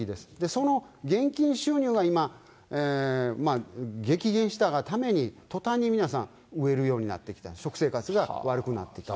その現金収入が今、激減したがために、とたんに皆さん、飢えるようになってきた、食生活が悪くなってきたと。